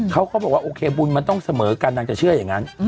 เขาก็บอกว่าโอเคบุญมันต้องเสมอกันนางจะเชื่ออย่างนั้น